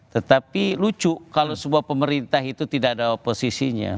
tetapi lucu kalau sebuah pemerintah itu tidak ada oposisinya